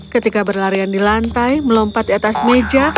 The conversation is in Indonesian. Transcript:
ketika berlarian di lantai melompat di atas meja